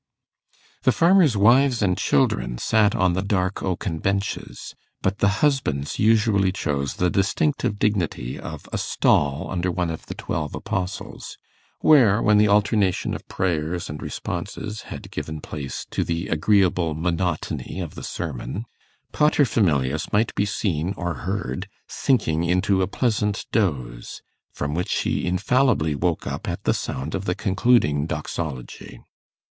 The farmers' wives and children sat on the dark oaken benches, but the husbands usually chose the distinctive dignity of a stall under one of the twelve apostles, where, when the alternation of prayers and responses had given place to the agreeable monotony of the sermon, Paterfamilias might be seen or heard sinking into a pleasant doze, from which he infallibly woke up at the sound of the concluding doxology.